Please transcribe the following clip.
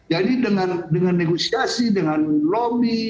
jadi dengan negosiasi dengan lomi